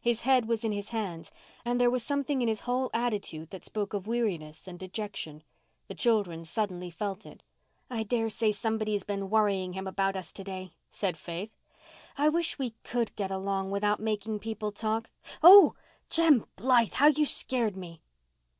His head was in his hands and there was something in his whole attitude that spoke of weariness and dejection. The children suddenly felt it. "I dare say somebody's been worrying him about us to day," said Faith. "I wish we could get along without making people talk. Oh—Jem Blythe! How you scared me!"